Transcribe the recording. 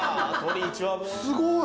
すごい。